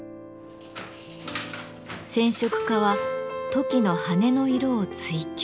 染色家はトキの羽の色を追求。